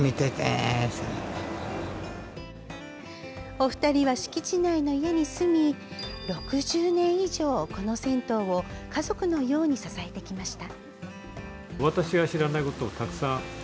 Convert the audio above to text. お二人は敷地内の家に住み６０年以上、この銭湯を家族のように支えてきました。